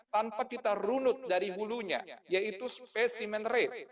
tanpa kita runut dari hulunya yaitu specimen rate